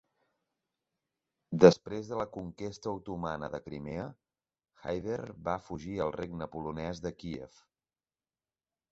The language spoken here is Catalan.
Després de la conquesta otomana de Crimea, Hayder va fugir al Regne polonès de Kíev.